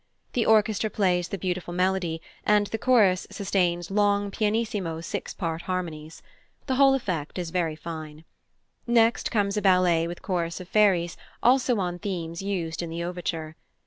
The orchestra plays the beautiful melody, and the chorus sustains long, pianissimo six part harmonies. The whole effect is very fine. Next comes a ballet with chorus of fairies, also on themes used in the overture.